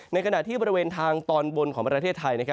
ในขณะที่บริเวณทางตอนบนของประเทศไทย